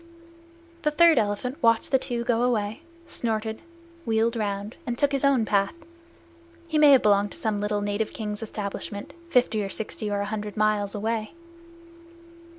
The third elephant watched the two go away, snorted, wheeled round, and took his own path. He may have belonged to some little native king's establishment, fifty or sixty or a hundred miles away.